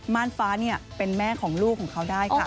่านฟ้าเป็นแม่ของลูกของเขาได้ค่ะ